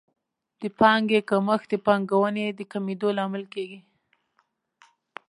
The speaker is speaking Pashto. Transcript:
د پانګې کمښت د پانګونې د کمېدو لامل کیږي.